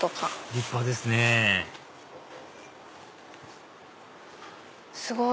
立派ですねすごい！